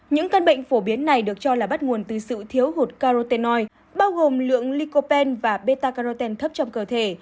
những căn bệnh phổ biến này được cho là bắt nguồn từ sự thiếu hụt carotenoid bao gồm lượng lycopene và beta carotene thấp trong cơ thể